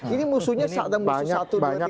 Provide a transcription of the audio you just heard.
ini musuhnya saat musuh satu dua tiga banyak banyak